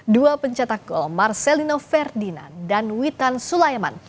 dua pencetak gol marcelino ferdinand dan witan sulaiman